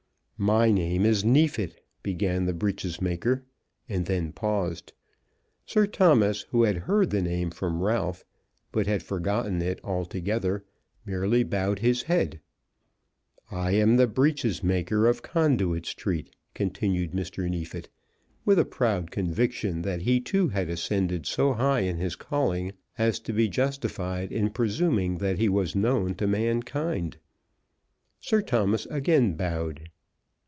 "My name is Neefit," began the breeches maker, and then paused. Sir Thomas, who had heard the name from Ralph, but had forgotten it altogether, merely bowed his head. "I am the breeches maker of Conduit Street," continued Mr. Neefit, with a proud conviction that he too had ascended so high in his calling as to be justified in presuming that he was known to mankind. Sir Thomas again bowed.